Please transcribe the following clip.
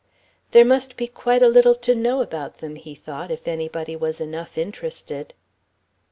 "There must be quite a little to know about them," he thought, "if anybody was enough interested."